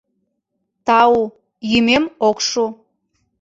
Тау, йӱмем ок шу...